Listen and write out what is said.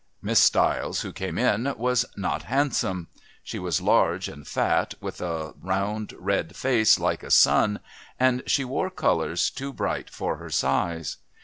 Miss Stiles, who came in, was not handsome. She was large and fat, with a round red face like a sun, and she wore colours too bright for her size.